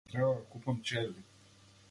Треба да купам чевли.